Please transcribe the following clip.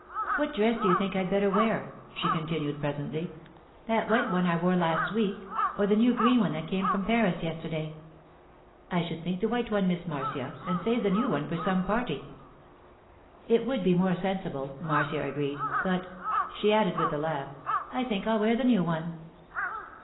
'What dress do you think I'd better wear?' she continued presently. 'That white one I wore last week, or the new green one that came from Paris yesterday?' 'I should think the white one, Miss Marcia, and save the new one for some party.' 'It would be more sensible,' Marcia agreed; 'but,' she added with a laugh, 'I think I'll wear the new one.